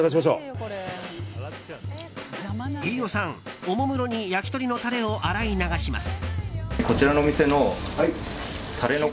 飯尾さんおもむろに焼き鳥のタレを洗い流します。